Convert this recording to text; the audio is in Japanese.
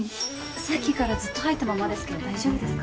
さっきからずっと入ったままですけど大丈夫ですか？